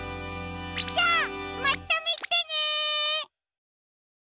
じゃあまたみてね！